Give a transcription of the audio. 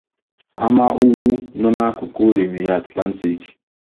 Ama ugwu no na akuku Òrìmìlì Atlantic.